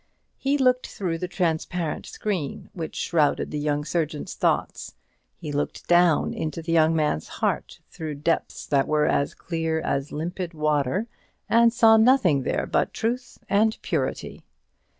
He looked through the transparent screen which shrouded the young surgeon's thoughts: he looked down into the young man's heart, through depths that were as clear as limpid water, and saw nothing there but truth and purity.